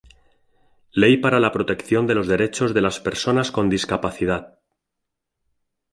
Ley para la protección de los Derechos de las Personas con Discapacidad.